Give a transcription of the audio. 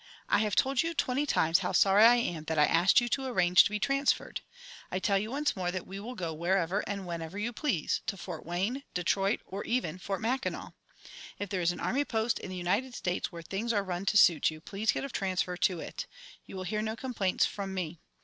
I have told you twenty times how sorry I am that I asked you to arrange to be transferred. I tell you once more that we will go wherever and whenever you please, to Fort Wayne, Detroit, or even Fort Mackinac. If there is an army post in the United States where things are run to suit you, please get a transfer to it. You will hear no complaints from me.